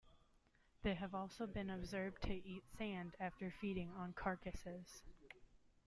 They have also been observed to eat sand after feeding on carcasses.